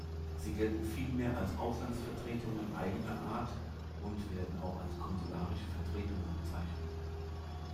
Sie gelten vielmehr als Auslandsvertretungen eigener Art und werden auch als "konsularische" Vertretungen bezeichnet.